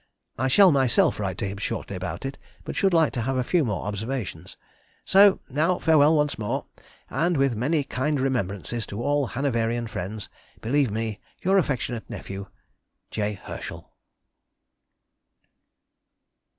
I shall myself write to him shortly about it, but should like to have a few more observations. So now farewell once more, and, with many kind remembrances to all Hanoverian friends, Believe me, your affectionate nephew, J. HERSCHEL.